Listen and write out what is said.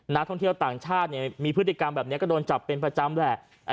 นักท่องเที่ยวต่างชาติมีพฤติกรรมแบบนี้ก็โดนจับเป็นประจำแหละ